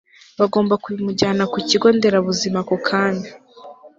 bagomba kumujyana ku kigo nderabuzima ako kanya